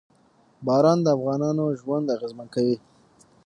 باران د افغانانو ژوند اغېزمن کوي.